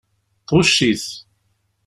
Tɣucc-it.